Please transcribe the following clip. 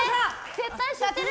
絶対知ってる！